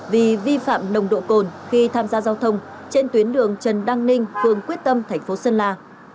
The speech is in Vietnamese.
vì vi phạm nồng độ cồn khi tham gia giao thông trên tuyến đường trần đăng ninh phường quyết tâm thành phố sơn la